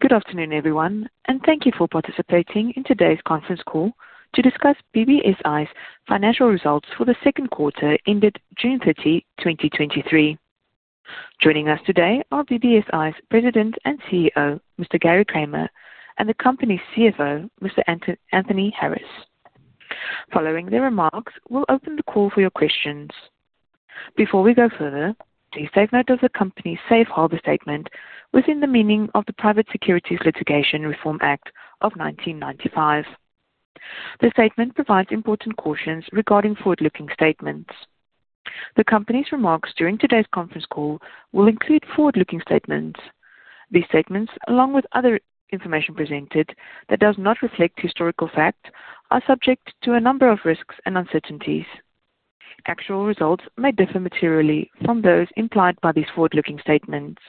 Good afternoon, everyone, and thank you for participating in today's conference call to discuss BBSI's financial results for the second quarter ended June 30, 2023. Joining us today are BBSI's President and CEO, Mr. Gary Kramer, and the company's CFO, Mr. Anthony Harris. Following their remarks, we'll open the call for your questions. Before we go further, please take note of the company's safe harbor statement within the meaning of the Private Securities Litigation Reform Act of 1995. The statement provides important cautions regarding forward-looking statements. The company's remarks during today's conference call will include forward-looking statements. These statements, along with other information presented that does not reflect historical facts, are subject to a number of risks and uncertainties. Actual results may differ materially from those implied by these forward-looking statements.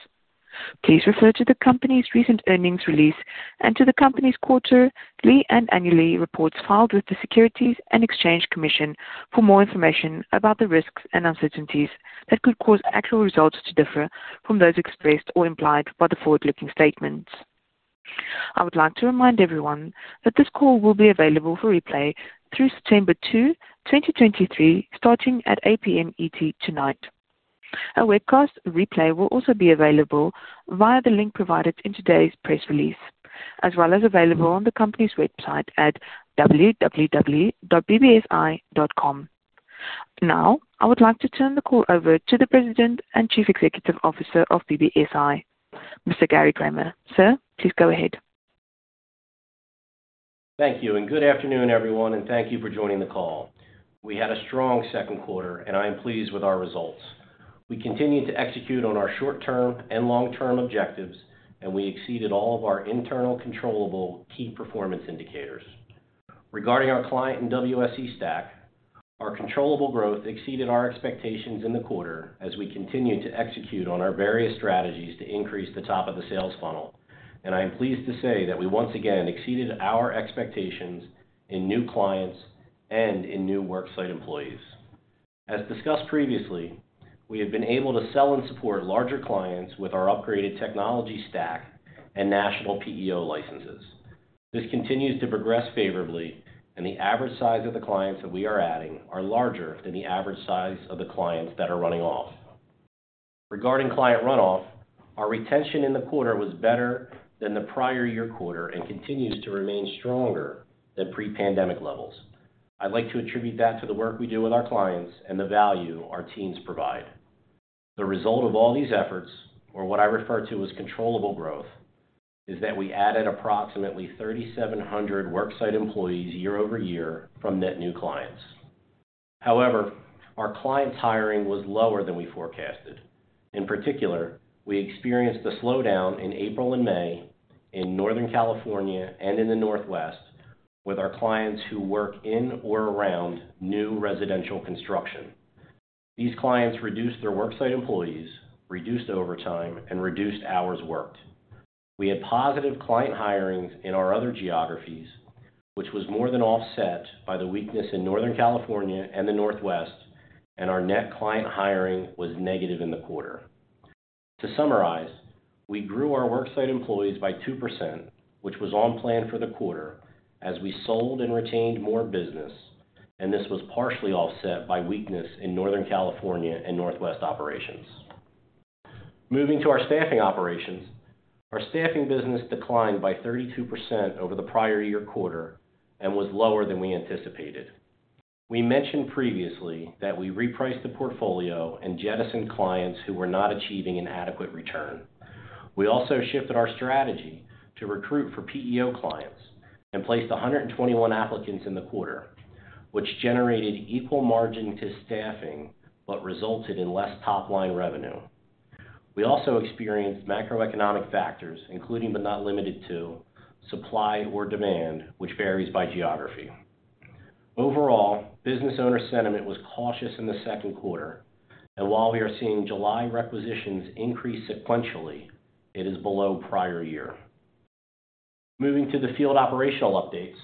Please refer to the company's recent earnings release and to the company's quarterly and annually reports filed with the Securities and Exchange Commission for more information about the risks and uncertainties that could cause actual results to differ from those expressed or implied by the forward-looking statements. I would like to remind everyone that this call will be available for replay through September 2, 2023, starting at 8:00 P.M. ET tonight. A webcast replay will also be available via the link provided in today's press release, as well as available on the company's website at www.bbsi.com. Now, I would like to turn the call over to the President and Chief Executive Officer of BBSI, Mr. Gary Kramer. Sir, please go ahead. Thank you, and good afternoon, everyone, and thank you for joining the call. We had a strong second quarter, and I am pleased with our results. We continued to execute on our short-term and long-term objectives, and we exceeded all of our internal controllable key performance indicators. Regarding our client and WSE stack, our controllable growth exceeded our expectations in the quarter as we continued to execute on our various strategies to increase the top of the sales funnel. I am pleased to say that we once again exceeded our expectations in new clients and in new Worksite Employees. As discussed previously, we have been able to sell and support larger clients with our upgraded technology stack and national PEO licenses. This continues to progress favorably, and the average size of the clients that we are adding are larger than the average size of the clients that are running off. Regarding client runoff, our retention in the quarter was better than the prior year quarter and continues to remain stronger than pre-pandemic levels. I'd like to attribute that to the work we do with our clients and the value our teams provide. The result of all these efforts, or what I refer to as controllable growth, is that we added approximately 3,700 Worksite Employees year-over-year from net new clients. However, our clients' hiring was lower than we forecasted. In particular, we experienced a slowdown in April and May in Northern California and in the Northwest with our clients who work in or around new residential construction. These clients reduced their Worksite Employees, reduced overtime, and reduced hours worked. We had positive client hirings in our other geographies, which was more than offset by the weakness in Northern California and the Northwest, and our net client hiring was negative in the quarter. To summarize, we grew our Worksite Employees by 2%, which was on plan for the quarter as we sold and retained more business, and this was partially offset by weakness in Northern California and Northwest operations. Moving to our staffing operations. Our staffing business declined by 32% over the prior year quarter and was lower than we anticipated. We mentioned previously that we repriced the portfolio and jettisoned clients who were not achieving an adequate return. We also shifted our strategy to recruit for PEO clients and placed 121 applicants in the quarter, which generated equal margin to staffing, but resulted in less top-line revenue. We also experienced macroeconomic factors, including but not limited to supply or demand, which varies by geography. Overall, business owner sentiment was cautious in the second quarter, and while we are seeing July requisitions increase sequentially, it is below prior year. Moving to the field operational updates.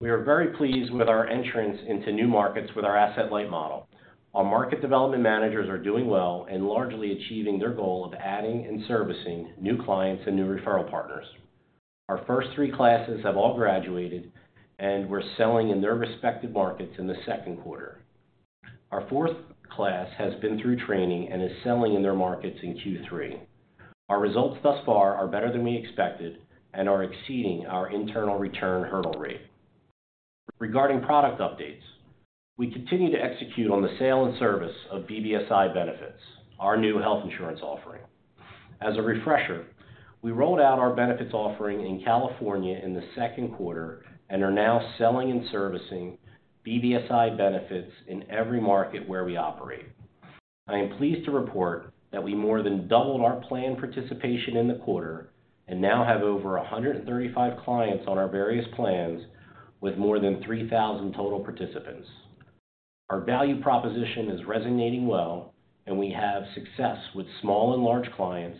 We are very pleased with our entrance into new markets, with our asset-light model. Our Market Development Managers are doing well and largely achieving their goal of adding and servicing new clients and new referral partners. Our first three classes have all graduated, and we're selling in their respective markets in the second quarter. Our fourth class has been through training and is selling in their markets in Q3. Our results thus far are better than we expected and are exceeding our internal return hurdle rate. Regarding product updates, we continue to execute on the sale and service of BBSI Benefits, our new health insurance offering. As a refresher, we rolled out our benefits offering in California in the second quarter and are now selling and servicing BBSI Benefits in every market where we operate. I am pleased to report that we more than doubled our plan participation in the quarter and now have over 135 clients on our various plans, with more than 3,000 total participants. Our value proposition is resonating well, and we have success with small and large clients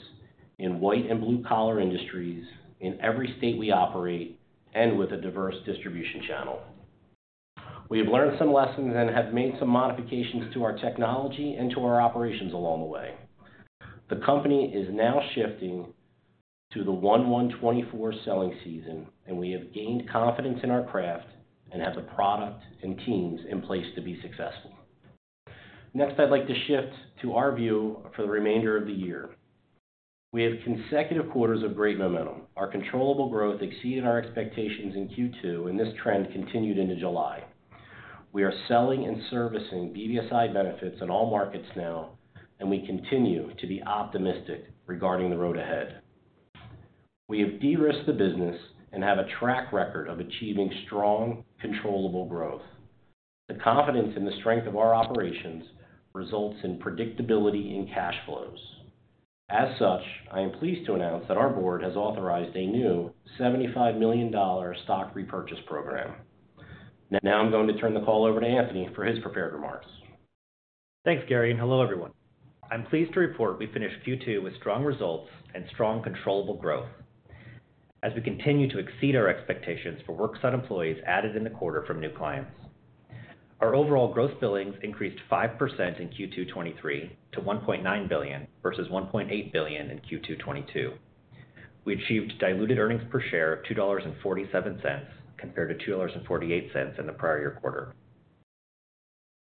in white and blue-collar industries in every state we operate, and with a diverse distribution channel. We have learned some lessons and have made some modifications to our technology and to our operations along the way. The company is now shifting to the 1/1/2024 selling season, and we have gained confidence in our craft and have the product and teams in place to be successful. Next, I'd like to shift to our view for the remainder of the year. We have consecutive quarters of great momentum. Our controllable growth exceeded our expectations in Q2, and this trend continued into July. We are selling and servicing BBSI Benefits in all markets now, and we continue to be optimistic regarding the road ahead. We have de-risked the business and have a track record of achieving strong, controllable growth. The confidence in the strength of our operations results in predictability in cash flows. As such, I am pleased to announce that our board has authorized a new $75 million stock repurchase program. I'm going to turn the call over to Anthony for his prepared remarks. Thanks, Gary, and hello, everyone. I'm pleased to report we finished Q2 with strong results and strong controllable growth as we continue to exceed our expectations for worksite employees added in the quarter from new clients. Our overall gross billings increased 5% in Q2 2023 to $1.9 billion, versus $1.8 billion in Q2 2022. We achieved diluted earnings per share of $2.47, compared to $2.48 in the prior year quarter.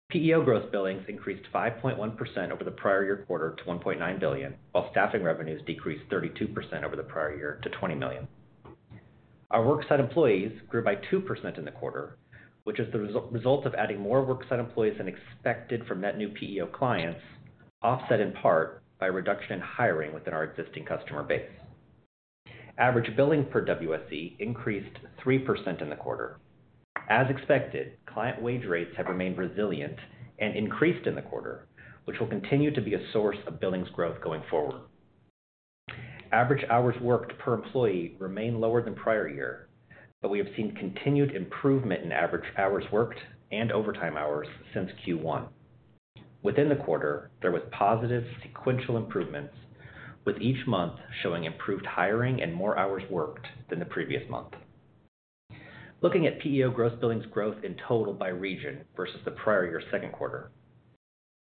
PEO gross billings increased 5.1% over the prior year quarter to $1.9 billion, while staffing revenues decreased 32% over the prior year to $20 million. Our worksite employees grew by 2% in the quarter, which is the result of adding more worksite employees than expected from net new PEO clients, offset in part by a reduction in hiring within our existing customer base. Average billing per WSE increased 3% in the quarter. As expected, client wage rates have remained resilient and increased in the quarter, which will continue to be a source of billings growth going forward. Average hours worked per employee remain lower than prior year, but we have seen continued improvement in average hours worked and overtime hours since Q1. Within the quarter, there was positive sequential improvements, with each month showing improved hiring and more hours worked than the previous month. Looking at PEO gross billings growth in total by region versus the prior year's second quarter,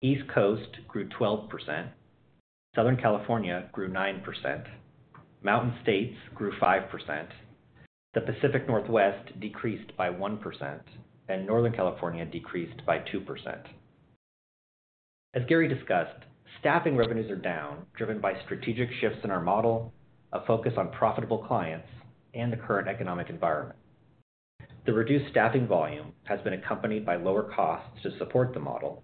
East Coast grew 12%, Southern California grew 9%, Mountain States grew 5%, the Pacific Northwest decreased by 1%, and Northern California decreased by 2%. As Gary discussed, staffing revenues are down, driven by strategic shifts in our model, a focus on profitable clients, and the current economic environment. The reduced staffing volume has been accompanied by lower costs to support the model, and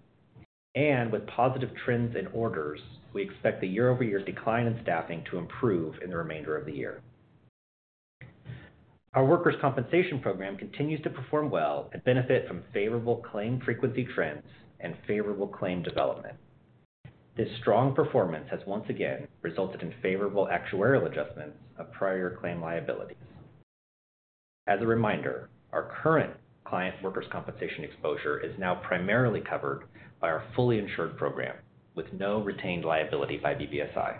with positive trends in orders, we expect the year-over-year decline in staffing to improve in the remainder of the year. Our workers' compensation program continues to perform well and benefit from favorable claim frequency trends and favorable claim development. This strong performance has once again resulted in favorable actuarial adjustments of prior claim liabilities. As a reminder, our current client workers' compensation exposure is now primarily covered by our fully insured program, with no retained liability by BBSI.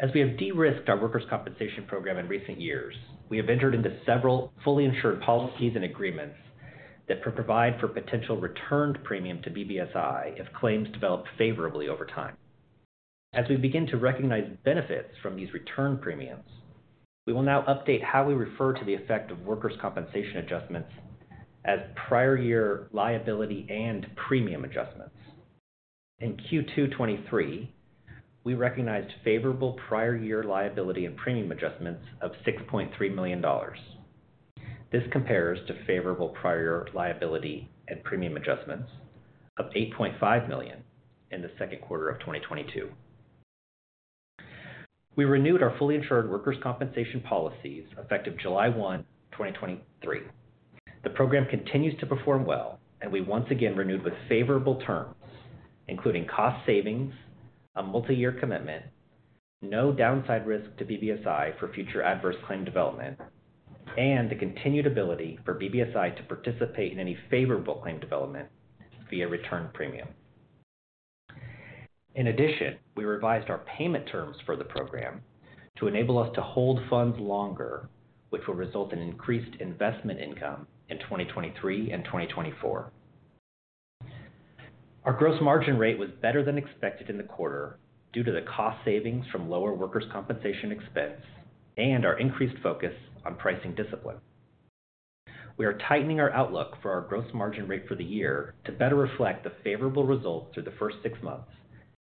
As we have de-risked our workers' compensation program in recent years, we have entered into several fully insured policies and agreements that provide for potential returned premium to BBSI if claims develop favorably over time. As we begin to recognize benefits from these return premiums, we will now update how we refer to the effect of workers' compensation adjustments as prior year liability and premium adjustments. In Q2 2023, we recognized favorable prior year liability and premium adjustments of $6.3 million. This compares to favorable prior liability and premium adjustments of $8.5 million in the second quarter of 2022. We renewed our fully insured workers' compensation policies effective July 1, 2023. The program continues to perform well, and we once again renewed with favorable terms, including cost savings, a multi-year commitment, no downside risk to BBSI for future adverse claim development, and the continued ability for BBSI to participate in any favorable claim development via return premium. In addition, we revised our payment terms for the program to enable us to hold funds longer, which will result in increased investment income in 2023 and 2024. Our gross margin rate was better than expected in the quarter due to the cost savings from lower workers' compensation expense and our increased focus on pricing discipline. We are tightening our outlook for our gross margin rate for the year to better reflect the favorable results through the first six months,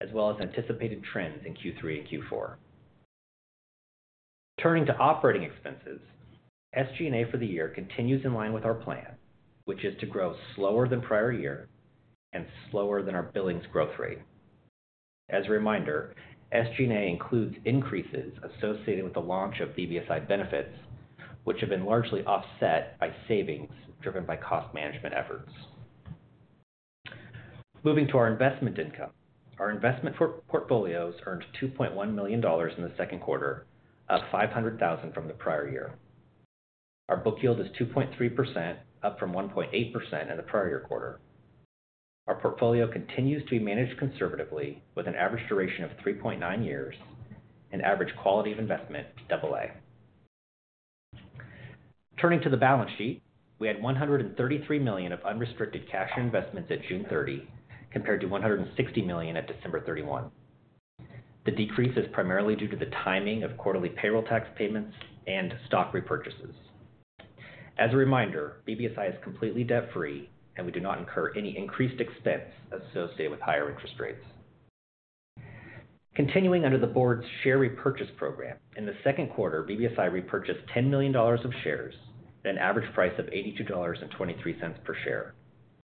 as well as anticipated trends in Q3 and Q4. Turning to operating expenses, SG&A for the year continues in line with our plan, which is to grow slower than prior year and slower than our billings growth rate. As a reminder, SG&A includes increases associated with the launch of BBSI Benefits, which have been largely offset by savings driven by cost management efforts. Moving to our investment income. Our investment portfolios earned $2.1 million in the second quarter, up $500,000 from the prior year. Our book yield is 2.3%, up from 1.8% in the prior year quarter. Our portfolio continues to be managed conservatively, with an average duration of 3.9 years and average quality of investment, AA. Turning to the balance sheet, we had $133 million of unrestricted cash and investments at June 30, compared to $160 million at December 31. The decrease is primarily due to the timing of quarterly payroll tax payments and stock repurchases. As a reminder, BBSI is completely debt-free, and we do not incur any increased expense associated with higher interest rates. Continuing under the board's share repurchase program, in the second quarter, BBSI repurchased $10 million of shares at an average price of $82.23 per share.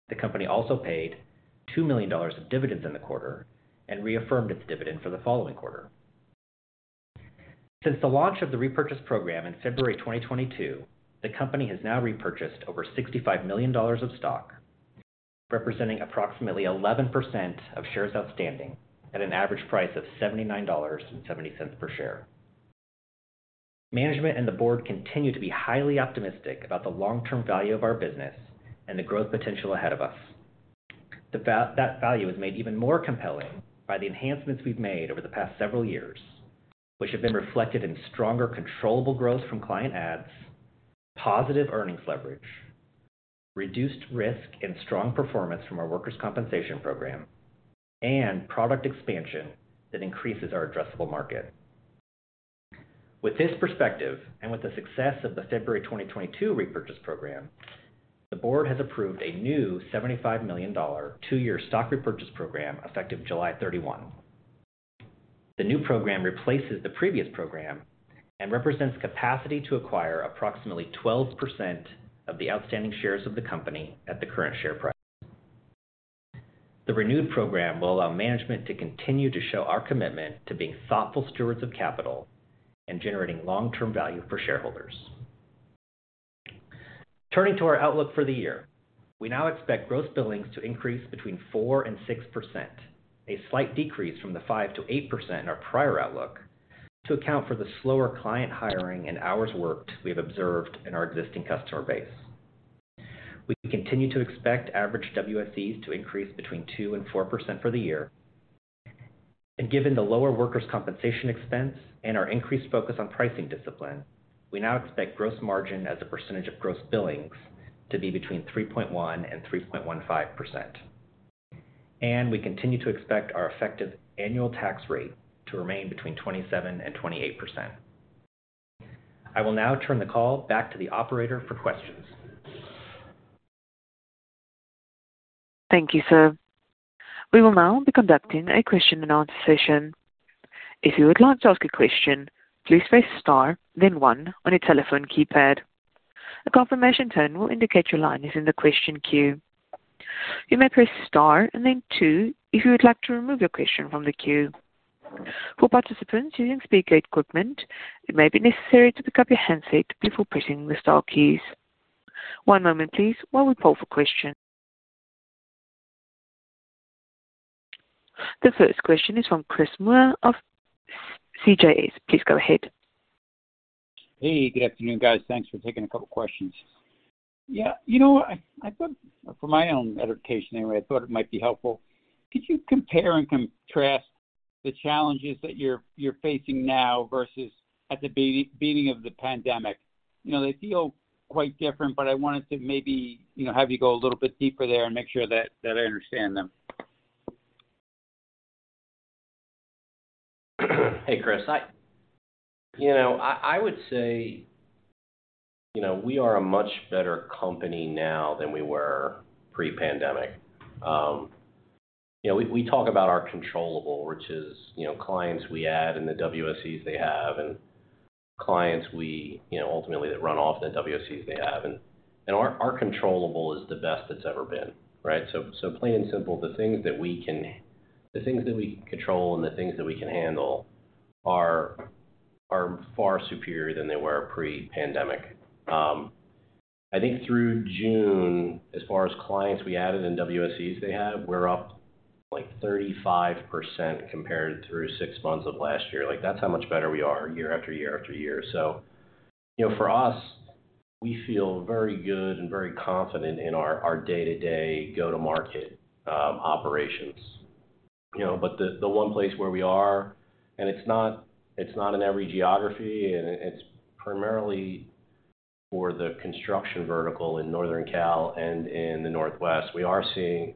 The company also paid $2 million of dividends in the quarter and reaffirmed its dividend for the following quarter. Since the launch of the repurchase program in February 2022, the company has now repurchased over $65 million of stock, representing approximately 11% of shares outstanding at an average price of $79.70 per share. Management and the board continue to be highly optimistic about the long-term value of our business and the growth potential ahead of us. That value is made even more compelling by the enhancements we've made over the past several years, which have been reflected in stronger, controllable growth from client adds, positive earnings leverage, reduced risk and strong performance from our workers' compensation program, and product expansion that increases our addressable market. With this perspective, with the success of the February 2022 repurchase program, the board has approved a new $75 million two-year stock repurchase program effective July 31. The new program replaces the previous program and represents capacity to acquire approximately 12% of the outstanding shares of the company at the current share price. The renewed program will allow management to continue to show our commitment to being thoughtful stewards of capital and generating long-term value for shareholders. Turning to our outlook for the year, we now expect gross billings to increase between 4% and 6%, a slight decrease from the 5% to 8% in our prior outlook, to account for the slower client hiring and hours worked we have observed in our existing customer base. We continue to expect average WSEs to increase between 2% and 4% for the year, given the lower workers' compensation expense and our increased focus on pricing discipline, we now expect gross margin as a percentage of gross billings to be between 3.1% and 3.15%. We continue to expect our effective annual tax rate to remain between 27% and 28%. I will now turn the call back to the operator for questions. Thank you, sir. We will now be conducting a question and answer session. If you would like to ask a question, please press star, then one on your telephone keypad. A confirmation tone will indicate your line is in the question queue. You may press star and then two if you would like to remove your question from the queue. For participants using speaker equipment, it may be necessary to pick up your handset before pressing the star keys. One moment please while we poll for questions. The first question is from Chris Moore of CJS. Please go ahead. Hey, good afternoon, guys. Thanks for taking a couple questions. Yeah, you know, I, I thought for my own edification anyway, I thought it might be helpful. Could you compare and contrast the challenges that you're, you're facing now versus at the beginning of the pandemic? You know, they feel quite different, but I wanted to maybe, you know, have you go a little bit deeper there and make sure that, that I understand them. Hey, Chris. I, you know, I, I would say, you know, we are a much better company now than we were pre-pandemic. You know, we, we talk about our controllable, which is, you know, clients we add and the WSEs they have and clients we, you know, ultimately that run off the WSEs they have. Our controllable is the best it's ever been, right? Plain and simple, the things that we can control and the things that we can handle are, are far superior than they were pre-pandemic. I think through June, as far as clients we added and WSEs they had, we're up, like, 35% compared through six months of last year. Like, that's how much better we are year after year after year. You know, for us, we feel very good and very confident in our, our day-to-day go-to-market operations. You know, the, the one place where we are. It's not, it's not in every geography, and it's primarily for the construction vertical in Northern Cal and in the Northwest. We are seeing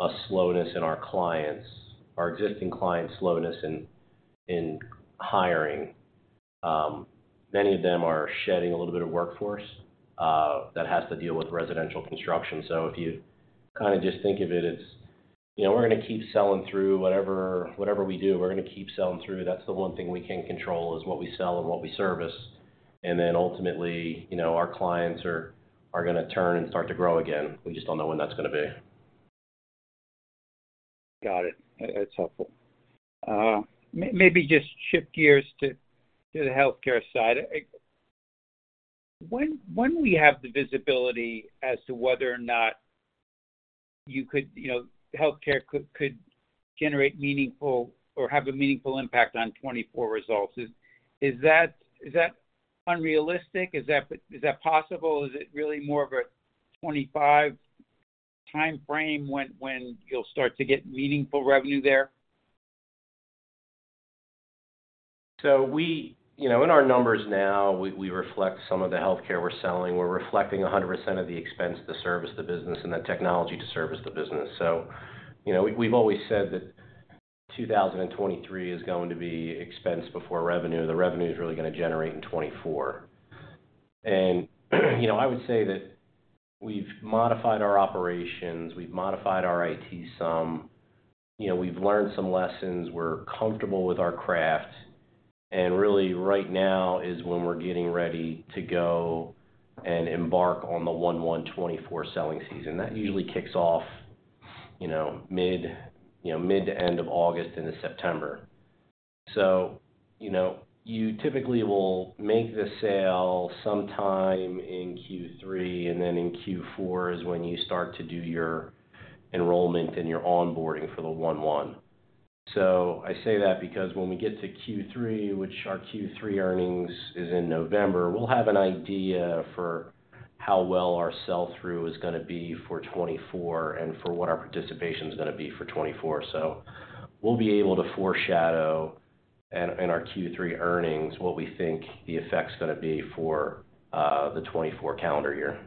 a slowness in our clients, our existing clients' slowness in, in hiring. Many of them are shedding a little bit of workforce that has to deal with residential construction. If you kind of just think of it as, you know, we're going to keep selling through whatever, whatever we do, we're going to keep selling through. That's the one thing we can control is what we sell and what we service. Ultimately, you know, our clients are, are going to turn and start to grow again. We just don't know when that's going to be. Got it. That's helpful. Maybe just shift gears to the healthcare side. When we have the visibility as to whether or not you could, you know, healthcare could generate meaningful or have a meaningful impact on 2024 results, is that unrealistic? Is that possible? It really more of a 2025 timeframe when you'll start to get meaningful revenue there? We, you know, in our numbers now, we, we reflect some of the healthcare we're selling. We're reflecting 100% of the expense to service the business and the technology to service the business. You know, we've, we've always said that 2023 is going to be expense before revenue. The revenue is really going to generate in 2024. You know, I would say that we've modified our operations, we've modified our IT some. You know, we've learned some lessons. We're comfortable with our craft, and really, right now is when we're getting ready to go and embark on the 1/1/2024 selling season. That usually kicks off, you know, mid, you know, mid to end of August into September. You know, you typically will make the sale sometime in Q3, and then in Q4 is when you start to do your enrollment and your onboarding for the 1/1/2024. I say that because when we get to Q3, which our Q3 earnings is in November, we'll have an idea for how well our sell-through is going to be for 2024 and for what our participation is going to be for 2024. We'll be able to foreshadow in, in our Q3 earnings, what we think the effect's going to be for the 2024 calendar year.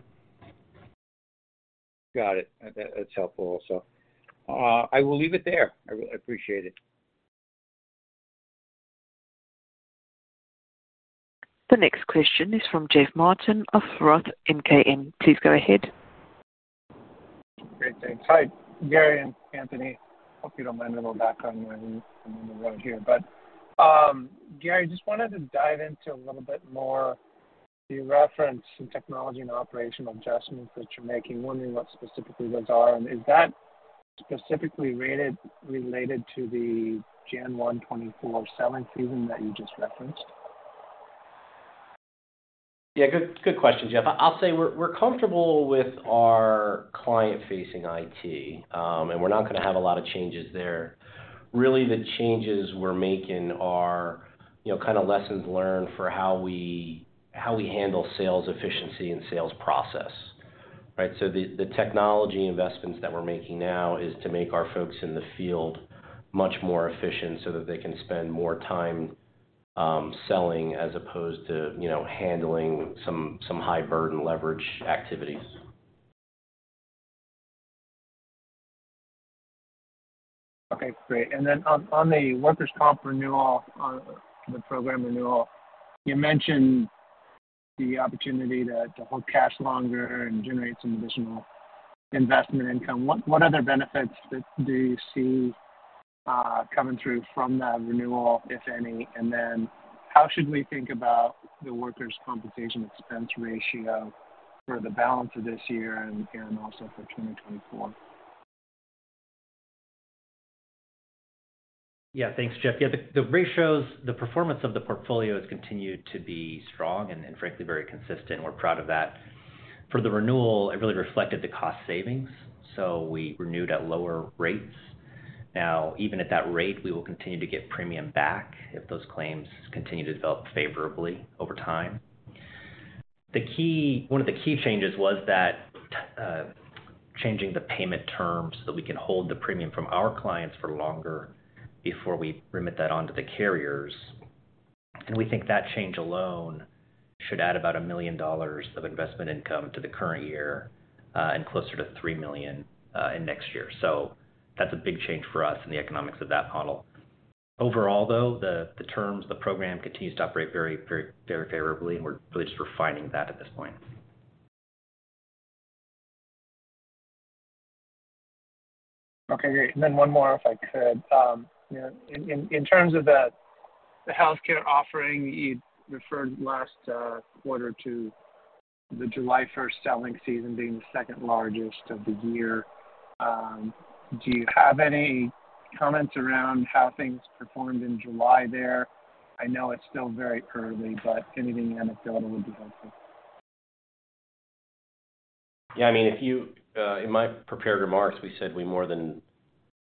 Got it. That, that's helpful. I will leave it there. I really appreciate it. The next question is from Jeff Martin of Roth MKM. Please go ahead. Great, thanks. Hi, Gary and Anthony. Hope you don't mind a little background noise. I'm on the road here. Gary, just wanted to dive into a little bit more, you referenced some technology and operational adjustments that you're making. I'm wondering what specifically those are, and is that specifically related to the 1/1/2024 selling season that you just referenced? Yeah, good, good question, Jeff. I'll say we're, we're comfortable with our client-facing IT, and we're not going to have a lot of changes there. Really, the changes we're making are, you know, kind of lessons learned for how we, how we handle sales efficiency and sales process, right? The, the technology investments that we're making now is to make our folks in the field much more efficient so that they can spend more time, selling as opposed to, you know, handling some, some high burden leverage activities. Okay, great. Then on the workers' comp renewal, on the program renewal, you mentioned the opportunity to hold cash longer and generate some additional investment income. What other benefits do you see coming through from that renewal, if any? Then how should we think about the workers' compensation expense ratio for the balance of this year and also for 2024? Yeah, thanks, Jeff. Yeah, the, the ratios, the performance of the portfolio has continued to be strong and, and frankly, very consistent. We're proud of that. For the renewal, it really reflected the cost savings, so we renewed at lower rates. Now, even at that rate, we will continue to get premium back if those claims continue to develop favorably over time. The key, one of the key changes was that changing the payment terms so that we can hold the premium from our clients for longer before we remit that on to the carriers. We think that change alone should add about $1 million of investment income to the current year, and closer to $3 million in next year. That's a big change for us in the economics of that model. Overall, though, the, the terms, the program continues to operate very, very, very favorably. We're really just refining that at this point. Okay, great. One more, if I could. You know, in, in, in terms of the, the healthcare offering, you referred last quarter to the July 1st selling season being the second largest of the year. Do you have any comments around how things performed in July there? I know it's still very early, but anything anecdotal would be helpful. Yeah, I mean, if you, in my prepared remarks, we said we more than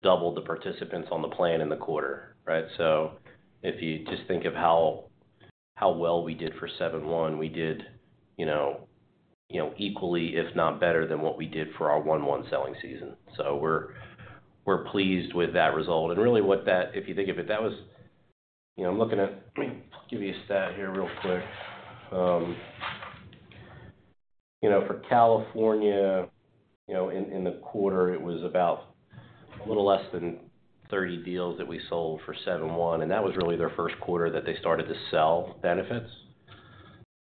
doubled the participants on the plan in the quarter, right? If you just think of how, how well we did for 7/1/2024, we did, you know, equally, if not better than what we did for our 1/1/2024 selling season. We're pleased with that result. Really, what that, if you think of it, that was. You know, I'm looking at. Let me give you a stat here real quick. You know, for California, you know, in the quarter, it was about a little less than 30 deals that we sold for 7/1/2024, and that was really their first quarter that they started to sell benefits.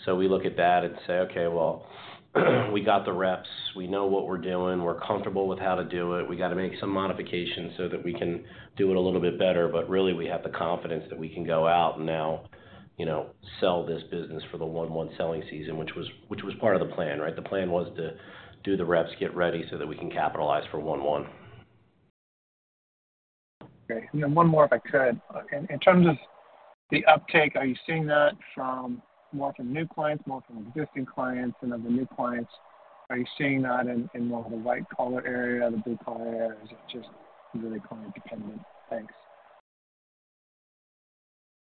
We look at that and say, "Okay, well, we got the reps. We know what we're doing. We're comfortable with how to do it. We got to make some modifications so that we can do it a little bit better, but really, we have the confidence that we can go out and now, you know, sell this business for the one one selling season, which was, which was part of the plan, right? The plan was to do the reps, get ready so that we can capitalize for one one. Great. Then one more, if I could. The uptake, are you seeing that from more from new clients, more from existing clients? Of the new clients, are you seeing that in more of the white-collar area, the blue-collar area? Is it just really client dependent? Thanks.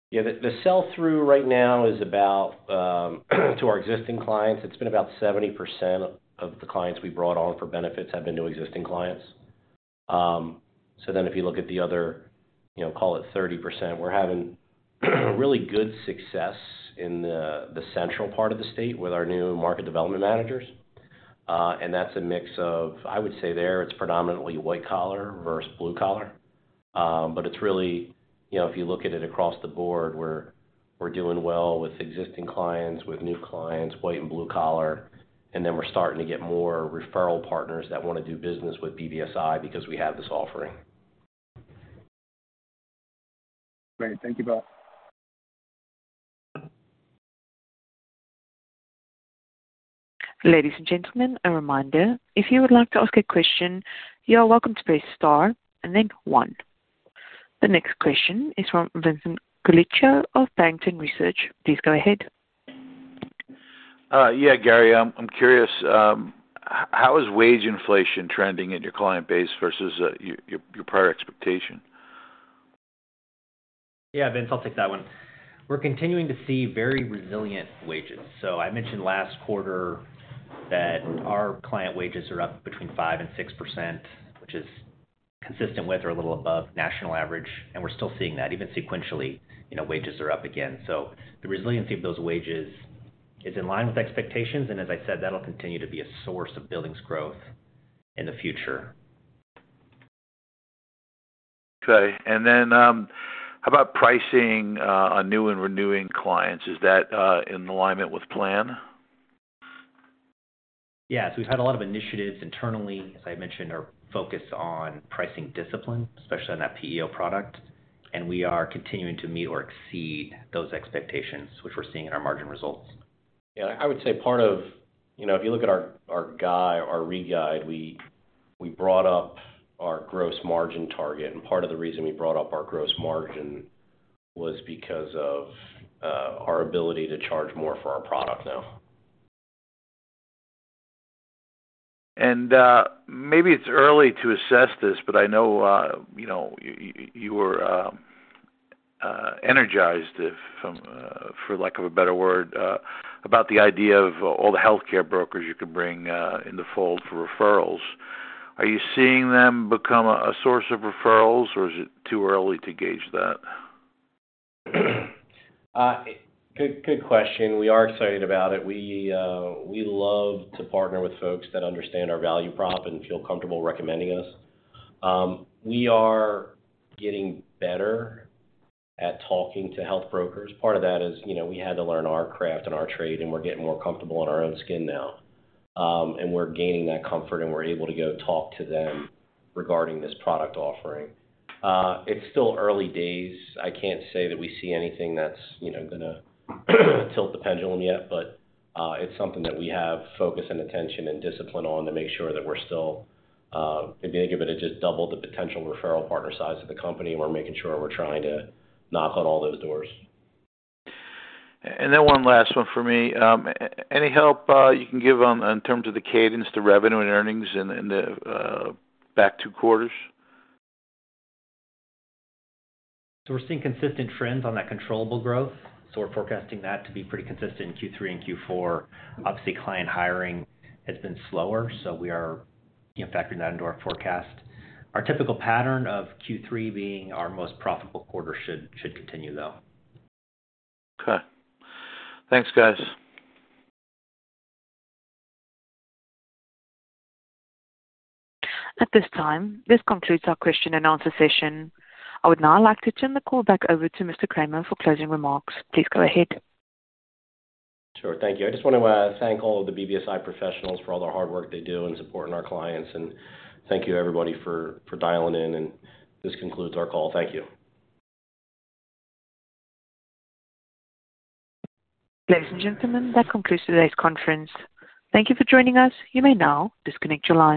Yeah, the, the sell-through right now is about, to our existing clients, it's been about 70% of the clients we brought on for benefits have been new existing clients. If you look at the other, you know, call it 30%, we're having, really good success in the, the central part of the state with our new Market Development Managers. That's a mix of, I would say there, it's predominantly white collar versus blue collar. It's really, you know, if you look at it across the board, we're, we're doing well with existing clients, with new clients, white and blue collar, and then we're starting to get more referral partners that want to do business with BBSI because we have this offering. Great. Thank you, Gary. Ladies and gentlemen, a reminder, if you would like to ask a question, you are welcome to press Star and then one. The next question is from Vincent Colicchio of Barrington Research. Please go ahead. Yeah, Gary, I'm curious, how is wage inflation trending in your client base versus, your, your, your prior expectation? Yeah, Vince, I'll take that one. We're continuing to see very resilient wages. I mentioned last quarter that our client wages are up between 5% and 6%, which is consistent with or a little above national average, and we're still seeing that. Even sequentially, you know, wages are up again. The resiliency of those wages is in line with expectations, and as I said, that'll continue to be a source of billings growth in the future. Okay. Then, how about pricing, on new and renewing clients? Is that, in alignment with plan? Yeah. We've had a lot of initiatives internally. As I mentioned, are focused on pricing discipline, especially on that PEO product, and we are continuing to meet or exceed those expectations, which we're seeing in our margin results. Yeah, I would say part of, you know, if you look at our, our guide, our re-guide, we, we brought up our gross margin target. Part of the reason we brought up our gross margin was because of our ability to charge more for our product now. Maybe it's early to assess this, but I know, you know, you were energized, if, for lack of a better word, about the idea of all the healthcare brokers you could bring in the fold for referrals. Are you seeing them become a, a source of referrals, or is it too early to gauge that? Good, good question. We are excited about it. We, we love to partner with folks that understand our value prop and feel comfortable recommending us. We are getting better at talking to health brokers. Part of that is, you know, we had to learn our craft and our trade, and we're getting more comfortable in our own skin now. And we're gaining that comfort, and we're able to go talk to them regarding this product offering. It's still early days. I can't say that we see anything that's, you know, gonna, tilt the pendulum yet, but it's something that we have focus and attention, and discipline on to make sure that we're still, if anything, but it just doubled the potential referral partner size of the company, and we're making sure we're trying to knock on all those doors. Then one last one for me. Any help, you can give on, in terms of the cadence to revenue and earnings in the back two quarters? We're seeing consistent trends on that controllable growth, so we're forecasting that to be pretty consistent in Q3 and Q4. Obviously, client hiring has been slower, so we are, you know, factoring that into our forecast. Our typical pattern of Q3 being our most profitable quarter should continue, though. Okay. Thanks, guys. At this time, this concludes our question and answer session. I would now like to turn the call back over to Mr. Kramer for closing remarks. Please go ahead. Sure. Thank you. I just want to thank all of the BBSI professionals for all the hard work they do in supporting our clients, and thank you, everybody, for, for dialing in, and this concludes our call. Thank you. Ladies and gentlemen, that concludes today's conference. Thank you for joining us. You may now disconnect your line.